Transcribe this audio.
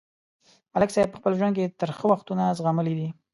ملک صاحب په خپل ژوند کې ترخه وختونه زغملي دي.